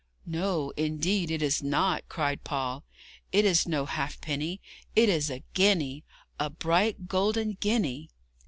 'No, indeed, it is not,' cried Paul; 'it is no halfpenny. It is a guinea a bright golden guinea!'